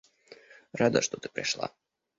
Рада, что ты пришла.